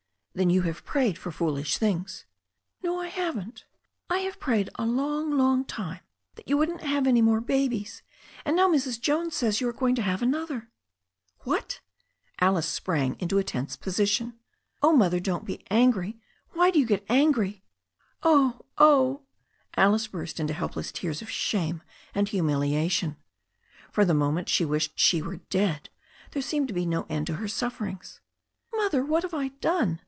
"Then you have prayed for foolish things." "No, I haven't. I have prayed a long, long time that you THE STORY OF A NEW ZEALAND RIVER 135 wouldn't have any more babies, and now Mrs. Jones says you are going to have another " 'What I'* Alice sprang into a tense position. "Oh, Mother, don't be angry. Why do you get angry " "Oh, oh I" Alice burst into helpless tears of shame and humiliation. For the moment she wished she were dead. There seemed to be no end to her sufferings. "Mother, what have I done?"